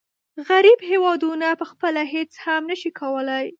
غریب هېوادونه پخپله هیڅ هم نشي کولای.